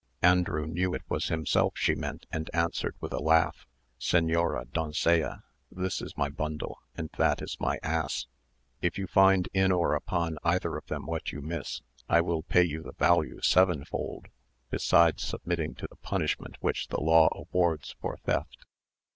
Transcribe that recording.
Andrew knew it was himself she meant, and answered with a laugh, "Señora doncella, this is my bundle, and that is my ass. If you find in or upon either of them what you miss, I will pay you the value sevenfold, beside submitting to the punishment which the law awards for theft."